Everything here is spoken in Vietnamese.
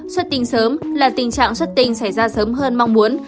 xuất tinh sớm là tình trạng xuất tinh xảy ra sớm hơn mong muốn